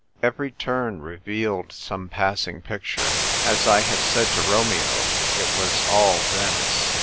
Every turn revealed some pass ing picture. As 1 had said to Romeo, it was all Venice.